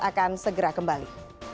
akan segera kembali